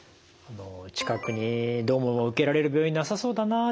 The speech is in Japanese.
近くにどうも受けられる病院なさそうだなあ。